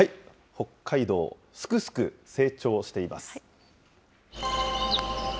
北海道すくすく成長しています。